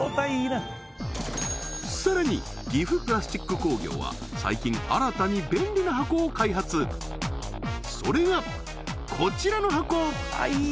さらに岐阜プラスチック工業は最近新たに便利な箱を開発それがこちらの箱！